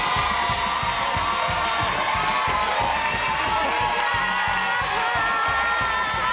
こんにちは！